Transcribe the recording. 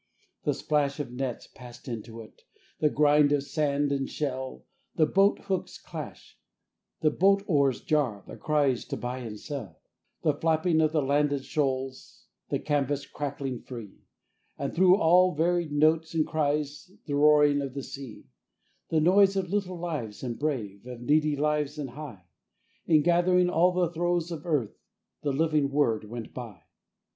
The splash of nets passed into it, the grind of sand and shell, The boat hook's clash, the boat oars' jar, the cries to buy and sell, The flapping of the landed shoals, the canvas crackling free, And through all varied notes and cries, the roaring of the sea, The noise of little lives and brave, of needy lives and high; In gathering all the throes of earth, the living word went by.